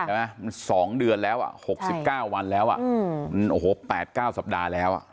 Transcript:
ใช่ไหมมัน๒เดือนแล้ว๖๙วันแล้วมันโอ้โห๘๙สัปดาห์แล้ว